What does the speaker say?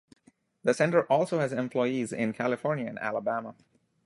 The center also has employees in California and Alabama.